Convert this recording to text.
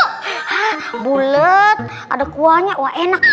hmm bulet ada kuahnya wah enak